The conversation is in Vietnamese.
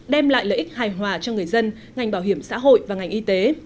đem lại lợi ích hài hòa cho người dân ngành bảo hiểm xã hội và ngành y tế